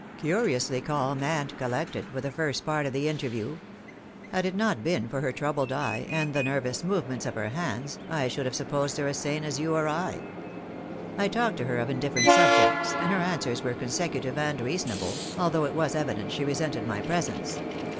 "Curiously calm and collected for the first part of the interview. Had it not been for her troubled eye, and the nervous movements of her hands, I should have supposed her as sane as you or I. I talked to her of indifferent subjects, and her answers were consecutive and reasonable, although it was evident she resented my presence.